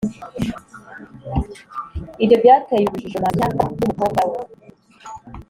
Ibyo byateye urujijo Marusya n umukobwa we